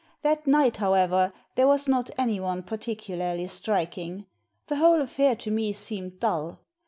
That night, however, there was not anyone particularly striking. The whole affair to me seemed dull.